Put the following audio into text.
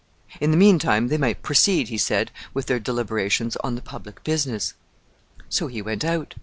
In the mean time, they might proceed, he said, with their deliberations on the public business. So he went out.